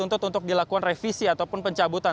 yang dituntut untuk dilakukan revisi ataupun pencabutan